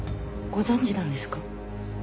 ご存じなんですか？